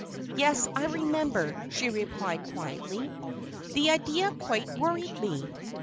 "Yes, I remember," she replied, quietly. "The idea quite worried me.